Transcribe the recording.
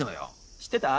知ってた？